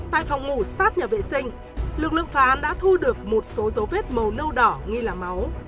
nạn nhân ngủ sát nhà vệ sinh lực lượng phá đã thu được một số dấu vết màu nâu đỏ như là máu